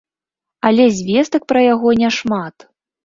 Але звестак пра яго няшмат.